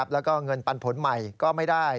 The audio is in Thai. แล้วก็เงินปันผลใหม่ก็ไม่ได้